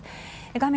画面